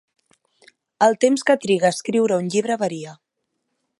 El temps que triga a escriure un llibre varia.